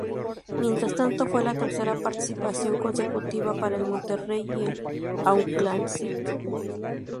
Mientras tanto, fue la tercera participación consecutiva para el Monterrey y el Auckland City.